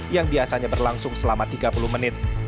yang biasanya berlangsung selama tiga puluh menit